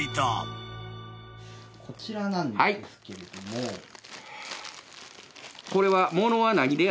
こちらなんですけれども。